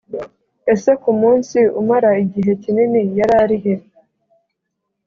Ese ku munsi umara igihe kinini yararihe